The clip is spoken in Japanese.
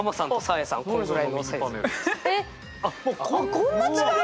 こんな違うんだ！